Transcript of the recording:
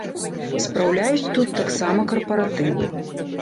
Спраўляюць тут таксама карпаратывы.